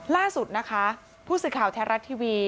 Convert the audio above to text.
ล่าสุดนะคะผู้สื่อข่าวแท้รัฐทีวี